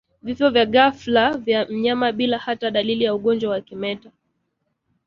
Vifo vya ghafla vya wanyama bila hata dalili ya ugonjwa wa kimeta